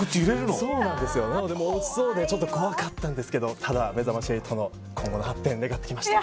なので落ちそうでちょっと怖かったですけどただ、めざまし８の今後の発展を願ってきました。